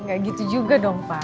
ah gak gitu juga dong pak